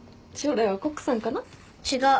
違う。